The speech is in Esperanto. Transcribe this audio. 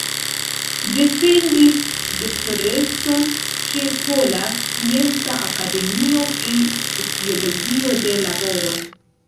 Defendis doktorecon ĉe Pola Scienca Akademio pri sociologio de laboro.